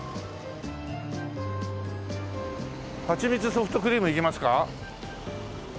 はちみつソフトクリームいきますか？